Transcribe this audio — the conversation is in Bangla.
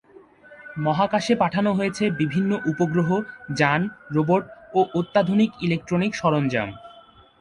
মহাকাশে পাঠানো হয়েছে বিভিন্ন উপগ্রহ, যান, রোবট ও অত্যাধুনিক ইলেক্ট্রনিক সরঞ্জাম।